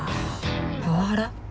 パワハラ？